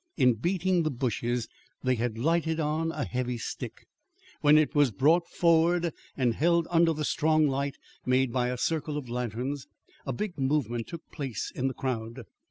In beating the bushes, they had lighted on a heavy stick. When it was brought forward and held under the strong light made by a circle of lanterns, a big movement took place in the crowd.